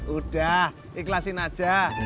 udah ikhlasin aja